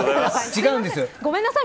違うんです。